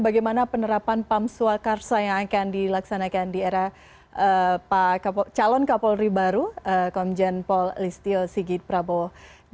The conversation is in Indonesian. bagaimana penerapan pam swakarsa yang akan dilaksanakan di era calon kapolri baru komjen paul listio sigit prabowo